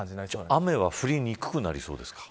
雨は降りにくくなりそうですか。